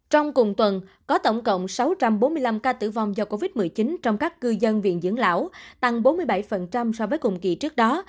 trong cùng tuần có tổng cộng sáu trăm bốn mươi năm ca tử vong do covid một mươi chín trong các cư dân viện dưỡng lão tăng bốn mươi bảy so với cùng kỳ trước đó